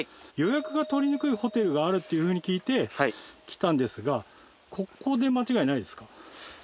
予約が取りにくいホテルがあるっていうふうに聞いて来たんですがここで間違いないですか？